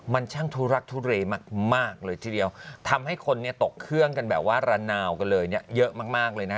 มันช่างทุลักทุเรมากมากเลยทีเดียวทำให้คนเนี่ยตกเครื่องกันแบบว่าระนาวกันเลยเนี่ยเยอะมากมากเลยนะ